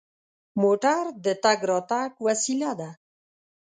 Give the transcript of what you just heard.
موټر د تګ راتګ وسیله ده.